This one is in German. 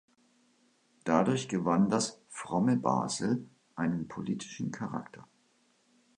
Dadurch gewann das «Fromme Basel» einen politischen Charakter.